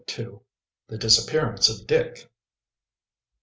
THE DISAPPEARANCE OF DICK.